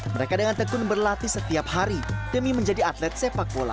mereka dengan tekun berlatih setiap hari demi menjadi atlet sepak bola